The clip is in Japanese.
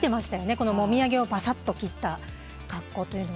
このもみあげをばさっと切った格好というのは。